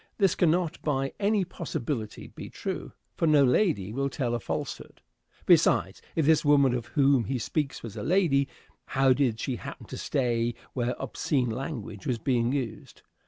This cannot by any possibility be true, for no lady will tell a falsehood. Besides, if this woman of whom he speaks was a lady, how did she happen to stay where obscene language was being used?